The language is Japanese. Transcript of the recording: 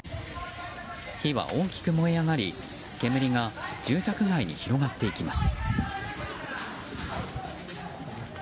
火は大きく燃え上がり煙が住宅街に広がっていきます。